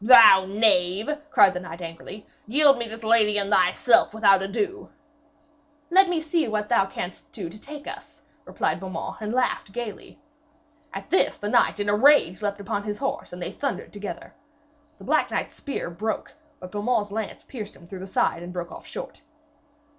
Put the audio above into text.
'Thou knave!' cried the knight angrily, 'yield me this lady and thyself without ado!' 'Let me see what thou canst do to take us,' replied Beaumains, and laughed gaily. At this the knight in a rage leaped upon his horse and they thundered together. The black knight's spear broke, but Beaumains' lance pierced him through the side and broke off short.